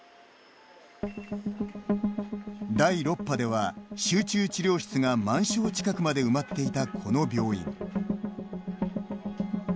第６波では集中治療室が満床近くまで埋まっていた、この病院。